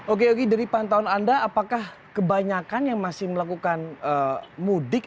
oke oke dari pantauan anda apakah kebanyakan yang masih melakukan mudik